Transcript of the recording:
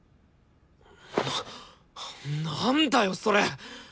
なんだよそれ！